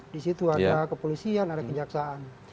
di situ ada kepolisian ada kejaksaan